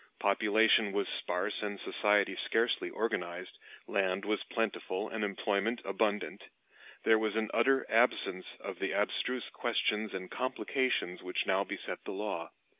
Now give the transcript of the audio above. Population was sparse and society scarcely organized, land was plentiful and employment abundant. There was an utter absence of the abstruse questions and complications which now beset the law.